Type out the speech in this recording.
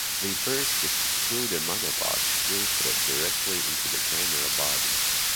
The first is to screw the monopod's screw thread directly into the camera body.